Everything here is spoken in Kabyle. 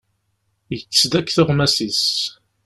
Yekkes-d akk tuɣmas-is.